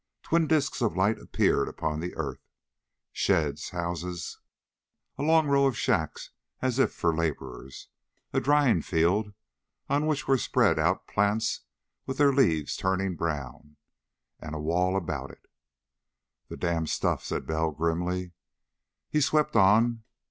Twin disks of light appeared upon the earth. Sheds, houses, a long row of shacks as if for laborers. A drying field, on which were spread out plants with their leaves turning brown. A wall about it.... "The damned stuff," said Bell grimly. He swept on.